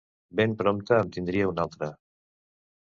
Ben prompte en tindria un altre.